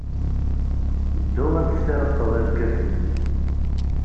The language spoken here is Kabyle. Ddu ad tessirrqed irkasen-nnek!